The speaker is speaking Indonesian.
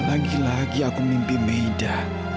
lagi lagi aku mimpi maida